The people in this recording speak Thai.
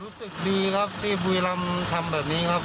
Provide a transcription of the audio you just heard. รู้สึกดีครับที่บุรีรำทำแบบนี้ครับ